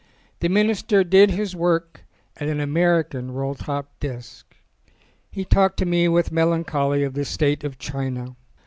The minister did his work at an American roll top desk. He talked to me with melancholy of the state of China.